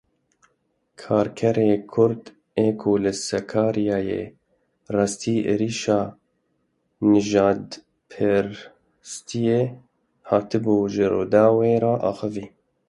Karkerê Kurd ê ku li Sakaryayê rastî êrişa nijadperstiyê hatibû ji Rûdawê re axivî.